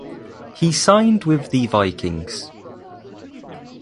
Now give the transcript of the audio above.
He signed with the Vikings.